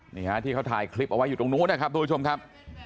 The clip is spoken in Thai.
นี่ฮะที่เขาถ่ายคลิปเอาไว้อยู่ตรงนู้นนะครับทุกผู้ชมครับ